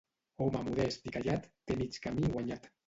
Home modest i callat té mig camí guanyat.